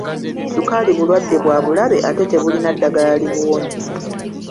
Ssukaali bulwadde bwa bulabe ate tebulina ddagala libuwonya.